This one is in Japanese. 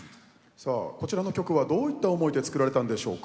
さあこちらの曲はどういった思いで作られたんでしょうか？